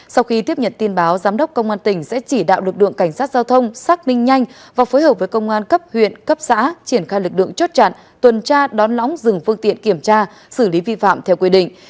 sau khi tiếp nhận tin báo giám đốc công an tỉnh sẽ chỉ đạo lực lượng cảnh sát giao thông xác minh nhanh và phối hợp với công an cấp huyện cấp xã triển khai lực lượng chốt chặn tuần tra đón lõng dừng phương tiện kiểm tra xử lý vi phạm theo quy định